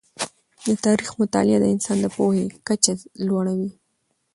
د تاریخ مطالعه د انسان د پوهې کچه لوړوي.